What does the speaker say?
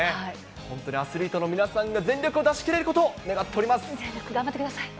本当にアスリートの皆さんが全力を出し切れることを願っておりま全力で頑張ってください。